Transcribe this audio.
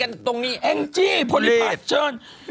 เอ็งจี้เอ็งจี้โพลิปัชชน